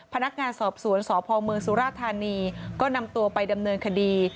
พนักงานสอบสวนสพเมืองสุราธานีก็นำตัวไปดำเนินคดี